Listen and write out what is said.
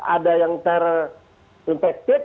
ada yang terinfektif